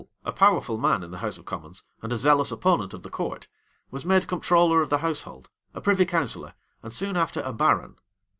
Sir John Savile, a powerful man in the house of commons, and a zealous opponent of the court, was made comptroller of the household, a privy counsellor, and soon after a baron.